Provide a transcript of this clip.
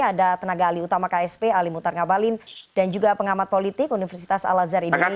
ada tenaga ali utama ksp ali mutar ngabalin dan juga pengamat politik universitas al azhar indonesia